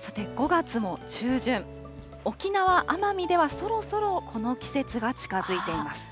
さて、５月も中旬、沖縄・奄美では、そろそろこの季節が近づいています。